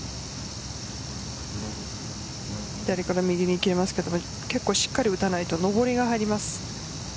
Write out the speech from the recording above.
左から右に切れますから結構しっかり打たないと上りが入ります。